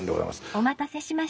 「お待たせしました」。